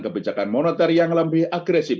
kebijakan moneter yang lebih agresif